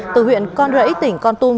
từ huyện con rẫy tỉnh con tum